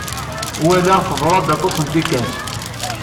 Wulaɣ teḍra-d aṭas n tikkal.